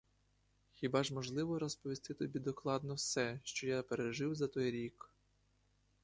Хіба ж можливо розповісти тобі докладно все, що я пережив за той рік?